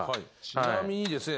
ちなみにですね